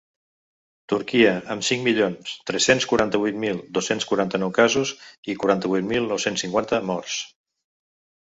Turquia, amb cinc milions tres-cents quaranta-vuit mil dos-cents quaranta-nou casos i quaranta-vuit mil nou-cents cinquanta morts.